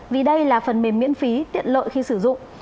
vì đây là phần mềm miễn phí tiện lợi khi sử dụng